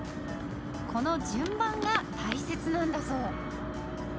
この順番が大切なんだそう。